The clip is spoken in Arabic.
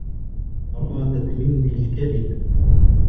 أرادت منّي الكذب.